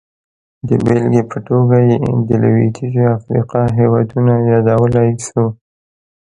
د بېلګې په توګه یې د لوېدیځې افریقا هېوادونه یادولی شو.